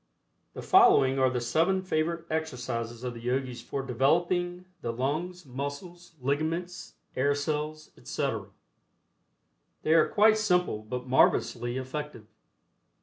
The following are the seven favorite exercises of the Yogis for developing the lungs, muscles, ligaments, air cells, etc. They are quite simple but marvelously effective.